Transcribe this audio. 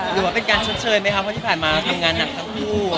หรือว่าเป็นการชดเชยไหมครับเพราะที่ผ่านมาทำงานหนักทั้งคู่